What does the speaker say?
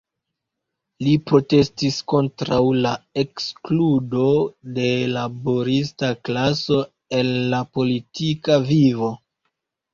Li protestis kontraŭ la ekskludo de la laborista klaso el la politika vivo.